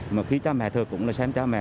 mà khi cha mẹ thờ củng là xem cha mẹ